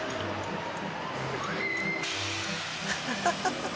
ハハハハ。